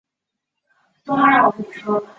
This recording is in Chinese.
其他传统强国如愿进入了淘汰赛。